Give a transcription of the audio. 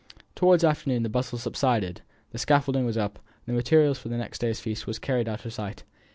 Towards afternoon the bustle subsided, the scaffolding was up, the materials for the next day's feast carried out of sight.